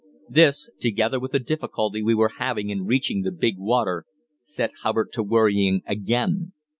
This, together with the difficulty we were having in reaching the "big water," set Hubbard to worrying again.